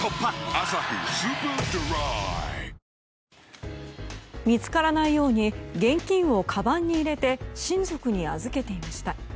「アサヒスーパードライ」見つからないように現金をかばんに入れて親族に預けていました。